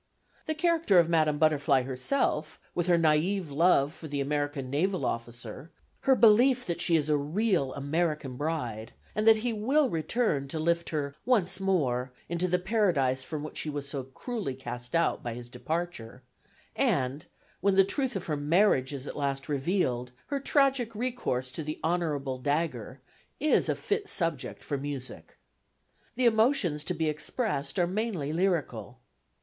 The character of Madame Butterfly herself, with her naïve love for the American naval officer, her belief that she is a real American bride and that he will return to lift her once more into the paradise from which she was so cruelly cast out by his departure, and, when the truth of her "marriage" is at last revealed, her tragic recourse to the honourable dagger is a fit subject for music. The emotions to be expressed are mainly lyrical.